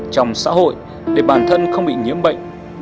trong xã hội để bản thân không bị nhiễm bệnh